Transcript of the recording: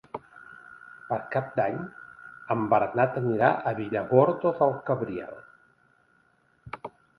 Per Cap d'Any en Bernat anirà a Villargordo del Cabriel.